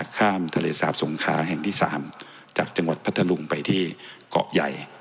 ข้ามทะเลสาบสงขาแห่งที่๓จากจังหวัดพัทธลุงไปที่เกาะใหญ่